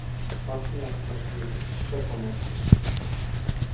А князь наш бідний що помислить?